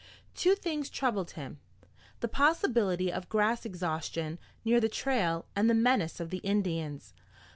Two things troubled him: The possibility of grass exhaustion near the trail and the menace of the Indians.